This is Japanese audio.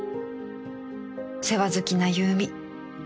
世話好きな優美